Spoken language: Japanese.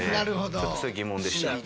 ちょっとそれ疑問でした。